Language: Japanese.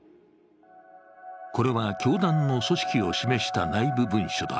これは教団の組織を示した内部文書だ。